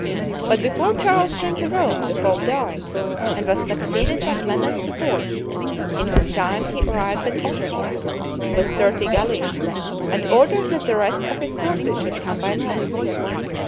But before Charles came to Rome the pope died, and was succeeded by Clement IV., in whose time he arrived at Ostia, with thirty galleys, and ordered that the rest of his forces should come by land.